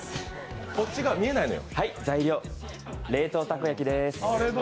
材料、冷凍たこ焼きです。